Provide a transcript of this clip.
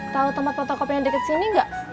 tau temen temen koper yang deket sini enggak